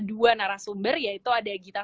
dua narasumber yaitu ada gita